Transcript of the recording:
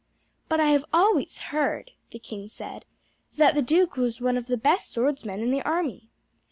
"But I have always heard," the king said, "that the duke was one of the best swordsmen in the army."